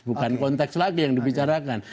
bukan konteks lagi yang dibicarakan